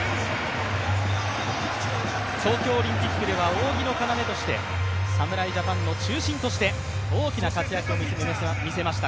東京オリンピックでは扇の要として侍ジャパンの中心として大きな活躍を見せました